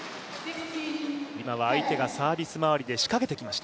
今は相手がサービスまわりで仕掛けてきました。